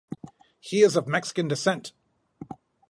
He is of Mexican descent.